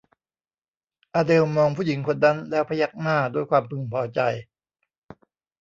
อเดลมองผู้หญิงคนนั้นแล้วพยักหน้าด้วยความพึงพอใจ